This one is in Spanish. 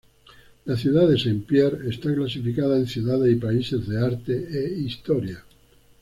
La ciudad de Saint-Pierre está clasificada en Ciudades y Países de Arte e Historia.